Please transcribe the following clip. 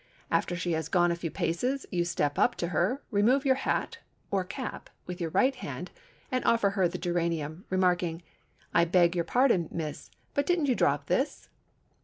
After she has gone a few paces you step up to her, remove your hat (or cap) with your right hand, and offer her the geranium, remarking, "I beg your pardon, miss, but didn't you drop this?"